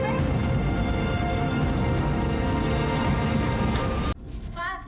karena ini buku ini kami pencuri gitu